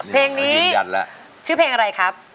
เพลงนี้ชื่อเพลงอะไรครับ